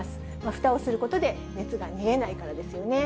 ふたをすることで熱が逃げないからですよね。